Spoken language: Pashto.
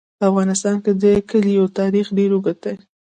په افغانستان کې د کلیو تاریخ ډېر اوږد دی.